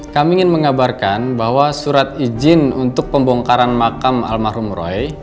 kami ingin mengabarkan bahwa surat izin untuk pembongkaran makam almarhum roy